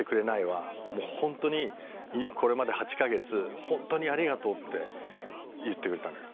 もう本当にこれまで８か月本当にありがとうって言ってくれたのよ。